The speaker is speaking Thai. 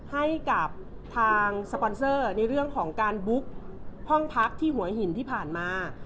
ให้กับทางสปอนเซอร์ในเรื่องของการบุ๊กห้องพักที่หัวหินที่ผ่านมา